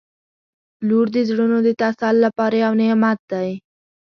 • لور د زړونو د تسل لپاره یو نعمت دی.